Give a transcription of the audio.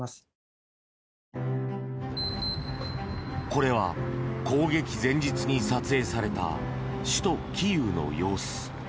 これは、攻撃前日に撮影された首都キーウの様子。